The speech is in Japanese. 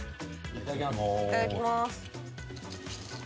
いただきます。